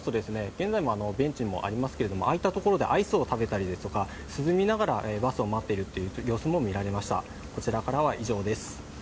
現在もベンチがありますけれどもああいったところでアイスを食べたりとか、涼みながらバスを待っているという様子も見られました。